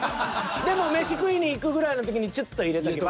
でも飯食いに行くぐらいの時にチュッと入れとけば。